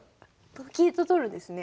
同金と取るんですね。